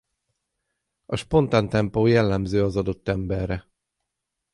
A spontán tempó jellemző az adott emberre.